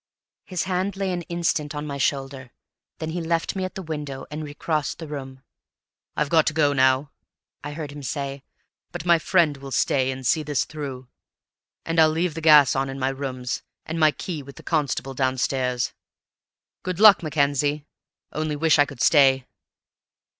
His hand lay an instant on my shoulder; then he left me at the window, and recrossed the room. "I've got to go now," I heard him say; "but my friend will stay and see this through, and I'll leave the gas on in my rooms, and my key with the constable downstairs. Good luck, Mackenzie; only wish I could stay."